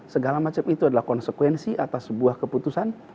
segala macam itu adalah konsekuensi atas sebuah keputusan